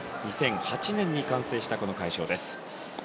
２００８年に建設されたこの会場です。